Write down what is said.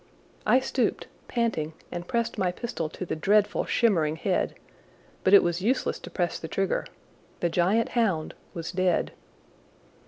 I stooped, panting, and pressed my pistol to the dreadful, shimmering head, but it was useless to press the trigger. The giant hound was dead.